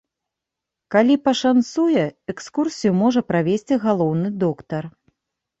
Калі пашанцуе, экскурсію можа правесці галоўны доктар.